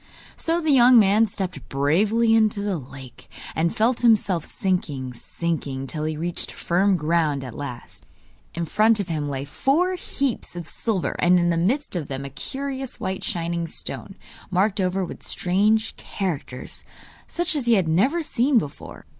So the young man stepped bravely into the lake, and felt himself sinking, sinking, till he reached firm ground at last. In front of him lay four heaps of silver, and in the midst of them a curious white shining stone, marked over with strange characters, such as he had never seen before.